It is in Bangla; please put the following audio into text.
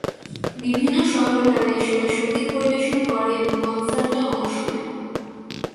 বিভিন্ন শহরে তারা এসময় সঙ্গীত পরিবেশন করে এবং কনসার্টে অংশ নেয়।